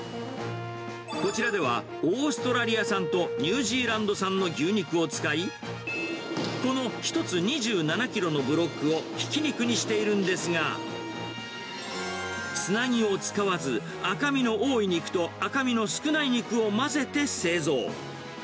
こちらでは、オーストラリア産とニュージーランド産の牛肉を使い、この１つ２７キロのブロックをひき肉にしているんですが、つなぎを使わず、赤身の多い肉と赤身の少ない肉を混ぜて製造。